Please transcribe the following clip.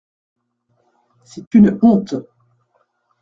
C’est une honte.